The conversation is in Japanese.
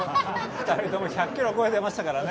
２人とも１００キロは超えてましたからね。